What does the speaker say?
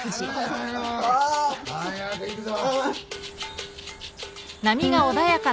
早く行くぞ。